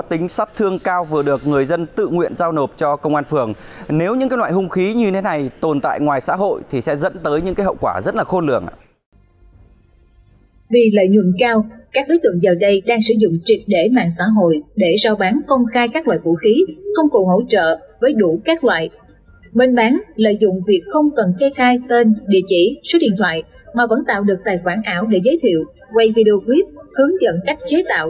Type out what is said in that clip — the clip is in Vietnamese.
trong video clip hướng dẫn cách chế tạo